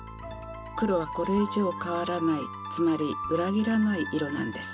黒は、これ以上変わらないつまり裏切らない色なんです。